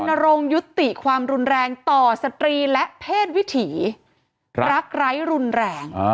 นรงค์ยุติความรุนแรงต่อสตรีและเพศวิถีรักไร้รุนแรง